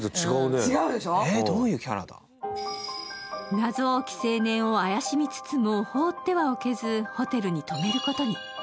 謎多き青年を怪しみつつも放っておけず、ホテルに泊めることに。